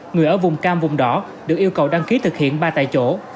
người ở vùng cam vùng đỏ được yêu cầu đăng ký thực hiện ba tại chỗ